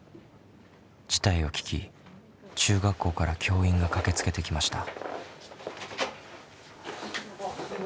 事態を聞き中学校から教員が駆けつけてきました。